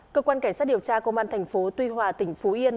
cơ quan cảnh sát điều tra công an thành phố tuy hòa tỉnh phú yên